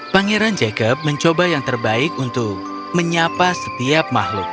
pangeran jacob mencoba yang terbaik untuk menyapa setiap makhluk